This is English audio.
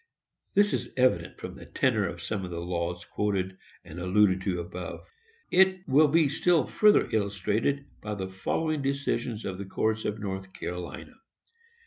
This is evident from the tenor of some of the laws quoted and alluded to above. It will be still further illustrated by the following decisions of the courts of North Carolina.